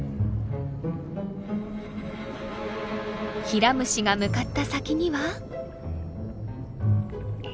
ヒラムシが向かった先には。